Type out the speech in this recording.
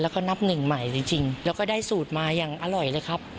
แล้วก็นับหนึ่งใหม่จริงแล้วก็ได้สูตรมาอย่างอร่อยเลยครับ